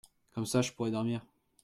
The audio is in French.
Comme ça, je pourrai dormir !